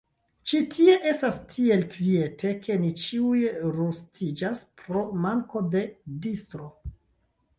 Ĉi tie estas tiel kviete ke ni ĉiuj rustiĝas pro manko de distro.